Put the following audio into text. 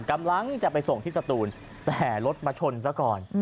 กำลังจะไปส่งที่สตูนแต่รถมาชนซะก่อน